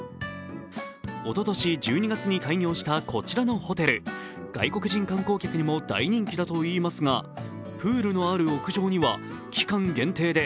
おととし１２月に開業したこちらのホテル、外国人観光客にも大人気だといいますがプールのある屋上には期間限定で